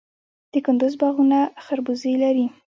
د کندز باغونه خربوزې لري.